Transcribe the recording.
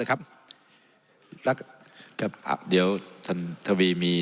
ครับเดี๋ยวท่านทวีมี